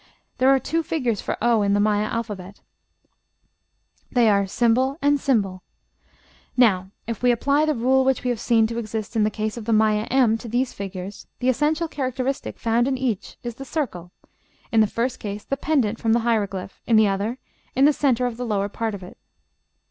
There are two figures for o in the Maya alphabet; they are ### and ###; now, if we apply the rule which we have seen to exist in the case of the Maya m to these figures, the essential characteristic found in each is the circle, in the first case pendant from the hieroglyph; in the other, in the centre of the lower part of it.